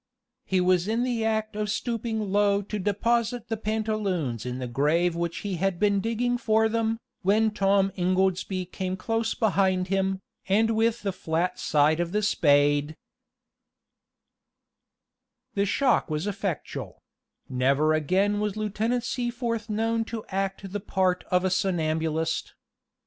He was in the act of stooping low to deposit the pantaloons in the grave which he had been digging for them, when Tom Ingoldsby came close behind him, and with the flat side of the spade The shock was effectual; never again was Lieutenant Seaforth known to act the part of a somnambulist.